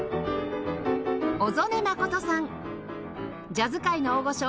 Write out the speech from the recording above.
ジャズ界の大御所